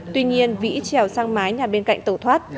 tuy nhiên vĩ treo sang mái nhà bên cạnh tàu thoát